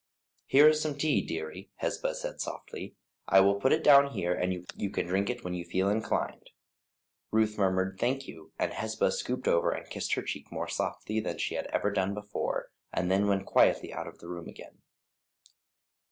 "Here is some tea, dearie," Hesba said, softly. "I will put it down here, and you can drink it when you feel inclined." Ruth murmured "Thank you," and Hesba stooped over her and kissed her cheek more softly than she had ever done before, and then went quietly out of the room again.